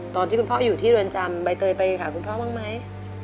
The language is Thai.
ตอนที่คุณพ่ออยู่ที่เรือนจำใบเตยไปหาคุณพ่อบ้างไหม